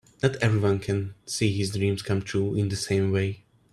Not everyone can see his dreams come true in the same way.